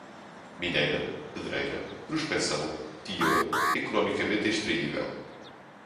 mineira, pedreira, prospecção, teor, economicamente extraível